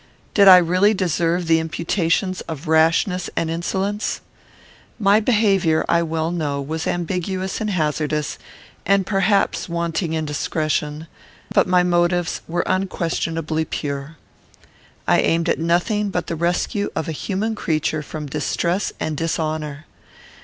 Did I really deserve the imputations of rashness and insolence? My behaviour, I well know, was ambiguous and hazardous, and perhaps wanting in discretion, but my motives were unquestionably pure. I aimed at nothing but the rescue of a human creature from distress and dishonour.